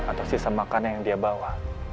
atau sisa makanan yang dia bawa